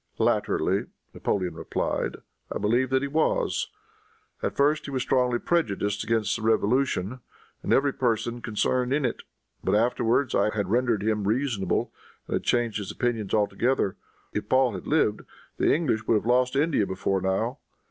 "Latterly," Napoleon replied, "I believe that he was. At first he was strongly prejudiced against the Revolution, and every person concerned in it; but afterwards I had rendered him reasonable, and had changed his opinions altogether. If Paul had lived the English would have lost India before now.